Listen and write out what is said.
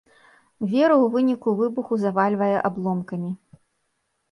Веру ў выніку выбуху завальвае абломкамі.